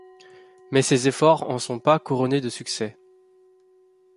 Mais ces efforts en sont pas couronnés de succès.